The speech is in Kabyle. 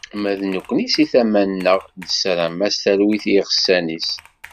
Ma d nekni seg tama-nneɣ, nessaram-as talwit i yiɣsan-is.